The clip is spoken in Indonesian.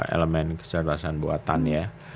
elemen keseluruhan buatan ya